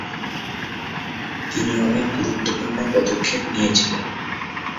তিনি অনেক গুরুত্বপূর্ণ পদক্ষেপ নিয়েছিলেন।